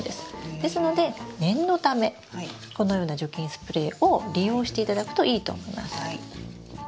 ですので念のためこのような除菌スプレーを利用していただくといいと思います。